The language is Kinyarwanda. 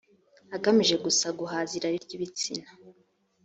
agamije gusa guhaza irari ry ibitsina